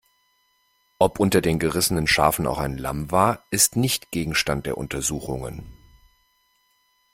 Ob unter den gerissenen Schafen auch ein Lamm war, ist nicht Gegenstand der Untersuchungen.